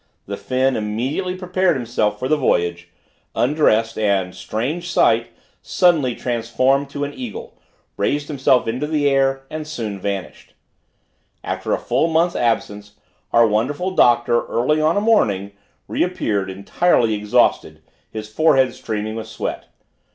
The Finn immediately prepared himself for the voyage, undressed, and, strange sight! suddenly transformed to an eagle, raised himself into the air and soon vanished. After a full month's absence, our wonderful doctor, early on a morning, re appeared, entirely exhausted, his forehead streaming with sweat.